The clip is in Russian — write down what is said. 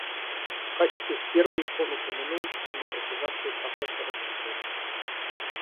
В качестве первой он упомянул демократизацию процесса разоружения.